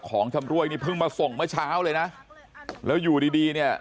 ของชำรวยนี่เพิ่งมาส่งเมื่อเช้าเลยนะแล้วอยู่ดีดีเนี่ย